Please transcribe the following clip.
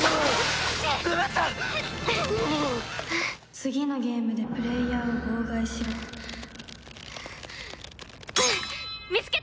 次のゲームでプレイヤーを妨害しろ見つけた！